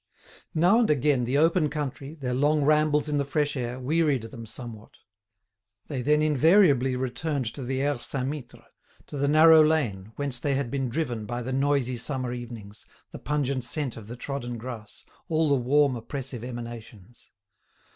Now and again the open country, their long rambles in the fresh air, wearied them somewhat. They then invariably returned to the Aire Saint Mittre, to the narrow lane, whence they had been driven by the noisy summer evenings, the pungent scent of the trodden grass, all the warm oppressive emanations.